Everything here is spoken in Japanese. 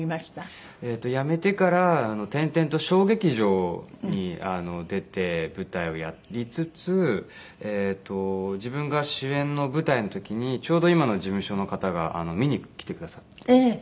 やめてから転々と小劇場に出て舞台をやりつつ自分が主演の舞台の時にちょうど今の事務所の方が見に来てくださっていて。